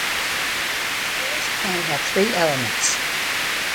Fuller's plan had three elements.